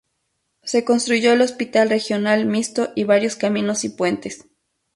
Se construyó el Hospital Regional Mixto y varios caminos y puentes.